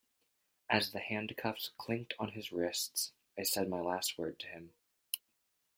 As the handcuffs clinked on his wrists I said my last word to him.